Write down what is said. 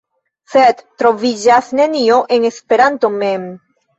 Sed troviĝas nenio en Esperanto mem.